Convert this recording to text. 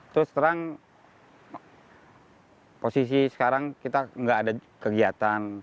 terus terang posisi sekarang kita nggak ada kegiatan